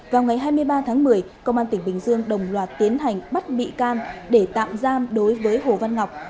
vào ngày hai mươi ba tháng một mươi công an tỉnh bình dương đồng loạt tiến hành bắt bị can để tạm giam đối với hồ văn ngọc